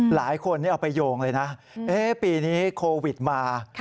หลายคนเอาไปโยงเลยนะปีนี้โควิดมา